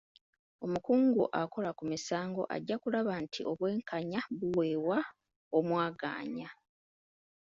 Omukungu akola ku misango ajja kulaba nti obwenkanya buweebwa omwagaanya.